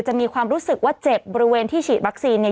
จะมีความรู้สึกว่าเจ็บบริเวณที่ฉีดวัคซีนเนี่ย